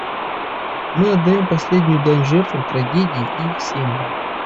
Мы отдаем последнюю дань жертвам трагедии и их семьям.